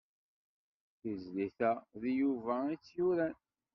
Tizlit-a d Yuba i tt-yuran.